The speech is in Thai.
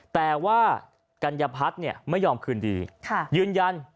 แต่ว่ากัญญาพัฒน์เนี่ยไม่ยอมคืนดีค่ะยืนยัน